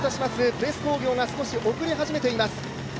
プレス工業が少し遅れ始めています。